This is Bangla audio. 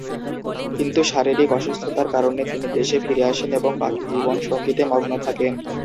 কিন্তু শারীরিক অসুস্থতার কারণে তিনি দেশে ফিরে আসেন এবং বাকি জীবন সঙ্গীতে মগ্ন থাকেন।